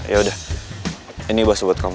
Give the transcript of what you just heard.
yaudah ini bas buat kamu